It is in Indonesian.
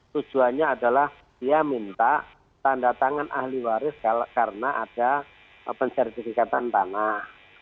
tujuannya adalah dia minta tanda tangan ahli waris karena ada pensertifikatan tanah